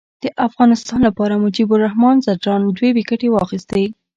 د افغانستان لپاره مجيب الرحمان ځدراڼ دوې ویکټي واخیستي.